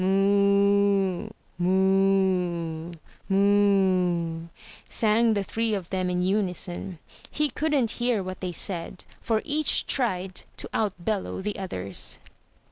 . "Moo, moo, moo," sang the three of them in unison. He couldn't hear what they said, for each tried to out bellow the others.